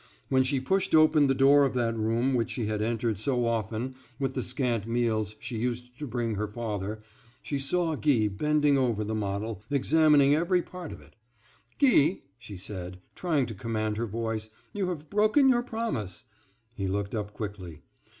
When she pushed open the door of that room which she had entered so often with the scant meals she used to bring her father, she saw Guy bending over the model, examining every part of it. "Guy," she said, trying to command her voice, "you have broken your promise." He looked up quickly.